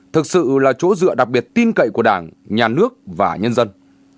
thực sự là chỗ dựa đặc biệt tin cậy của đảng nhà nước và nhân dân